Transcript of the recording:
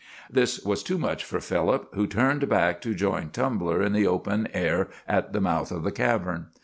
This was too much for Philip, who turned back to join Tumbler in the open air at the mouth of the cavern.